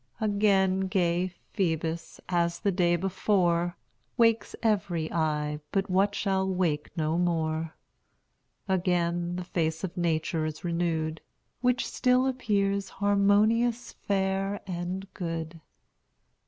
Again gay Phoebus, as the day before, Wakes every eye but what shall wake no more; Again the face of Nature is renewed, Which still appears harmonious, fair, and good.